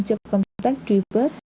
cho công tác tri vết